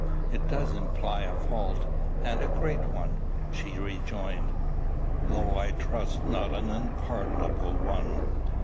"It does imply a fault and a great one," she rejoined; "though I trust not an unpardonable one.